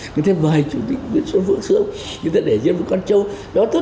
người ta mời chủ tịch nguyễn xuân vũ xương người ta để riêng một con trâu béo tốt